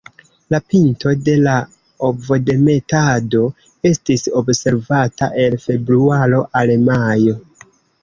La pinto de la ovodemetado estis observata el februaro al majo.